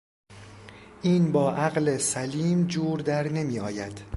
این با عقل سلیم جور در نمیآید.